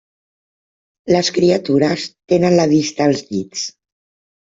Les criatures tenen la vista als dits.